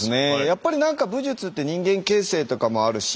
やっぱり何か武術って人間形成とかもあるし